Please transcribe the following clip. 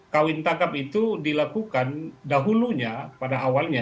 kawin tangkap itu dilakukan dahulunya pada awalnya